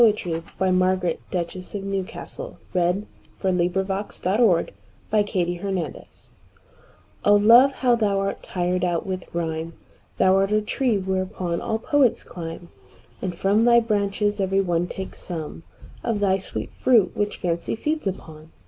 1921. By Margaret, Duchess of Newcastle (1624–1674) Love and Poetry O LOVE, how thou art tired out with rhyme! Thou art a tree whereon all poets clime; And from thy branches every one takes someOf thy sweet fruit, which Fancy feeds upon.